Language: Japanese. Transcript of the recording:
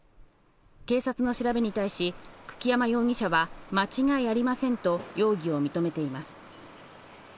警察の調べに対し久木山容疑者は間違いありませんと容疑を認めています。